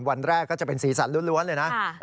วันแรกก็จะเป็นสีสันล้วนเลยนะ